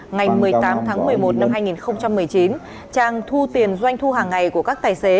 ngày một mươi tám tháng một mươi một năm hai nghìn một mươi chín trang thu tiền doanh thu hàng ngày của các tài xế